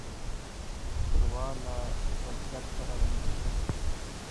ښوروا له سبزيجاتو سره رنګینه ده.